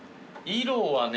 色はね。